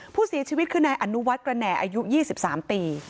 ผู้เสียชีวิตคือนายอนุวัฒน์กระแหน่อายุ๒๓ปี